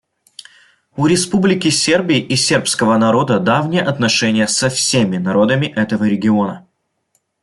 У Республики Сербии и сербского народа давние отношения со всеми народами этого региона.